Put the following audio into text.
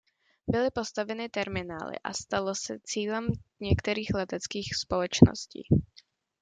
Byly postaveny terminály a stalo se cílem některých leteckých společností.